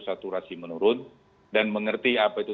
saturasi menurun dan mengerti apa itu